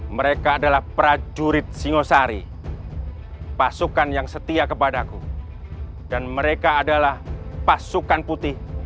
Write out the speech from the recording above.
mereka adalah prajurit singosari pasukan yang setia kepadaku dan mereka adalah pasukan putih